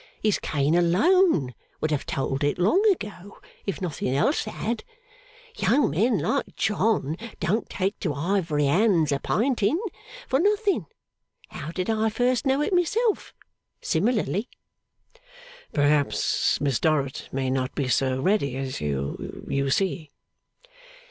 His cane alone would have told it long ago, if nothing else had. Young men like John don't take to ivory hands a pinting, for nothing. How did I first know it myself? Similarly.' 'Perhaps Miss Dorrit may not be so ready as you, you see.